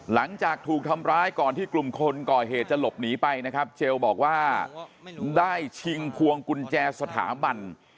หลังจากถูกทำร้ายก่อนที่กลุ่มคนก่อเหตุจะหลบหนีไปนะครับเจลบอกว่าได้ชิงพวงกุญแจสถาบัน